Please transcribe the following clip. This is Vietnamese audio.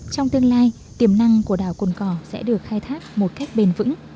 trong tương lai tiềm năng của đảo cồn cỏ sẽ được khai thác một cách bền vững